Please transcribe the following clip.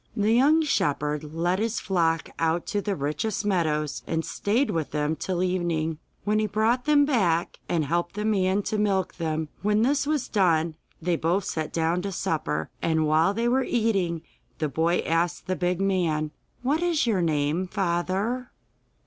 The young shepherd led his flock out to the richest meadows and stayed with them till evening, when he brought them back, and helped the man to milk them. When this was done, they both sat down to supper, and while they were eating the boy asked the big man: 'What is your name, father?